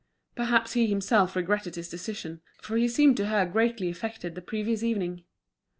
Perhaps he himself regretted his decision, for he seemed to her greatly affected the previous evening.